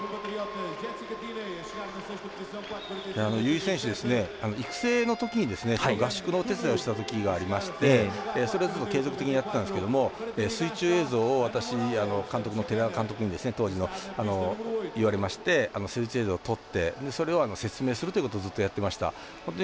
由井選手、育成のときに合宿のお手伝いをしたときがありましてそれをずっと継続的にやってたんですけども水中映像が私、監督の寺田監督に当時の言われまして、水中映像を撮ってそれを説明するということをずっとやっていました。